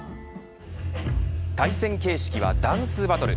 対戦形式はダンスバトル。